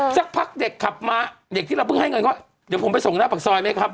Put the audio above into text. ซักพักเด็กขับมาเด็กที่เราเพิ่งให้ก่อนก็ว่าเดี๋ยวผมไปส่งไปให้หน้าพักซอยหรือไงครับ